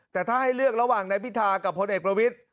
แต่ถ้าให้เลือกระหว่างนายพิธากับพลเอกประวิทธิ